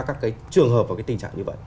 các trường hợp và tình trạng như vậy